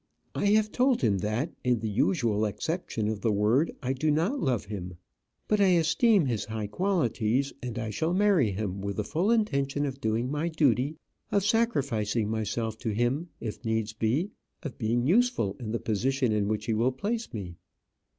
I have told him that in the usual acceptation of the word, I do not love him. But I esteem his high qualities; and I shall marry him with the full intention of doing my duty, of sacrificing myself to him if needs be, of being useful in the position in which he will place me.